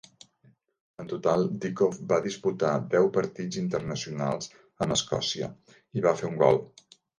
En total, Dickov va disputar deu partits internacionals amb Escòcia i va fer un gol.